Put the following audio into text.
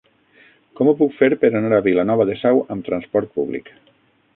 Com ho puc fer per anar a Vilanova de Sau amb trasport públic?